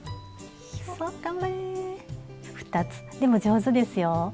でも上手ですよ。